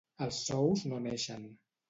Els sous no neixen.